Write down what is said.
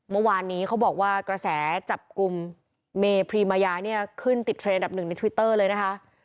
เมื่อวานนี้เขาบอกว่ากระแสจับกลุ่มเมพรีมายาเนี่ยขึ้นติดเทรนดับหนึ่งในทวิตเตอร์เลยนะคะ